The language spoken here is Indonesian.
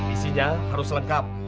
isinya harus lengkap